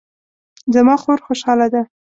زما خور خوشحاله ده